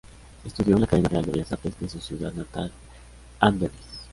Estudió en la Academia Real de Bellas Artes de su ciudad natal, Amberes.